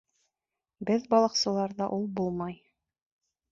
Беҙ балыҡсыларҙа ул булмай.